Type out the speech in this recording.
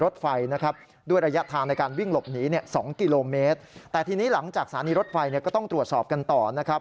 แต่ทีนี้หลังจากศาลีรถไฟก็ต้องตรวจสอบกันต่อนะครับ